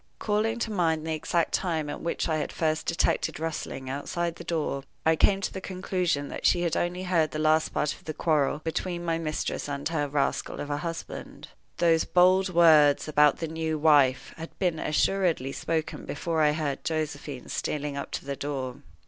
Calling to mind the exact time at which I had first detected the rustling outside the door, I came to the conclusion that she had only heard the last part of the quarrel between my mistress and her rascal of a husband. Those bold words about the "new wife" had been assuredly spoken before I heard Josephine stealing up to the door.